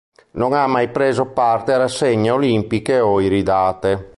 Non ha mai preso parte a rassegne olimpiche o iridate.